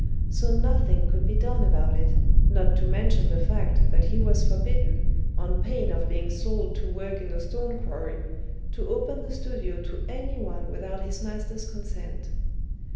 So nothing could be done about it, not to mention the fact that he was forbidden, on pain of being sold to work in a stone quarry, to open the studio to any one without his master's consent.